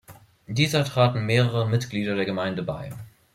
Dieser traten mehrere Mitglieder der Gemeinde bei.